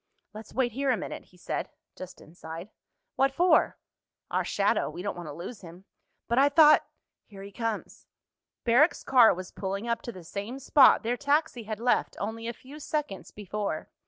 "Let's wait here a minute," he said, just inside. "What for?" "Our shadow. We don't want to lose him." "But I thought—!" "Here he comes." Barrack's car was pulling up to the same spot their taxi had left only a few seconds before.